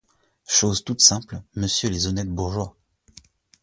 Chose toute simple, messieurs les honnêtes bourgeois!